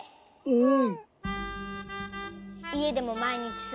うん。